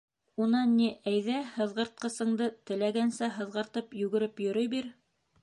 Унан, ни, әйҙә һыҙғыртҡысыңды теләгәнсә һыҙғыртып йүгереп йөрөй бир!